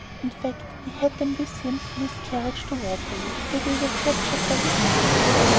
In fact, he had them with him in his carriage at Waterloo, where they were captured by the English.